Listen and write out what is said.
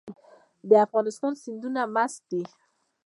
د افغانستان سیندونه مست دي